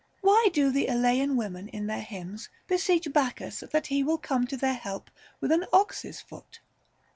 Why do the Eleian women in their hymns beseech Bacchus that he will come to their help with an ox's toot